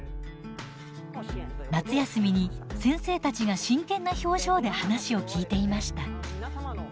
夏休みに先生たちが真剣な表情で話を聞いていました。